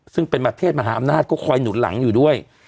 ซึ่งเป็นประเทศมหาอำนาจก็คอยหนุนหลังอยู่ด้วย